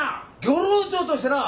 漁労長としてな